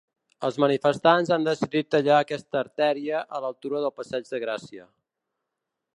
Els manifestants han decidit tallar aquesta artèria a l’altura del passeig de Gràcia.